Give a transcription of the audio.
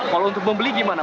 kalau untuk membeli gimana